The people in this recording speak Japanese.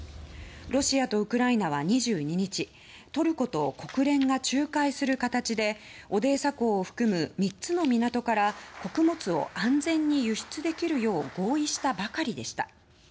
ロシアとウクライナは２２日トルコと国連が仲介する形でオデーサ港を含む３つの港から穀物を安全に輸出できるよう合意したばかりでした。